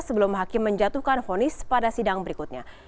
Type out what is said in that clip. sebelum hakim menjatuhkan fonis pada sidang berikutnya